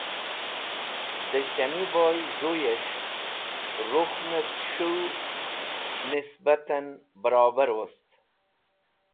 Dẽ Shaniboy z̃ũẽs̃h rukhnẽt s̃hũw nisbatẽn bẽrobar wost.